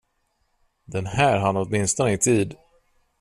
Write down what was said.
Den här hann åtminstone i tid.